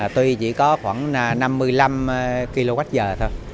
tuy chỉ có khoảng năm mươi năm kwh thôi